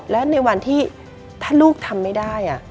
แล้วในวันที่ถ้าลูกทำไม่ได้